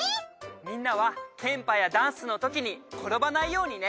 みんなはケンパやダンスのときに転ばないようにね！